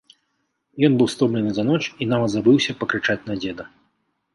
Ён быў стомлены за ноч і нават забыўся пакрычаць на дзеда.